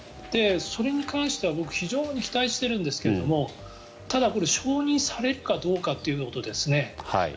それに関しては僕非常に期待しているんですがただこれ、承認されるかどうかということですね。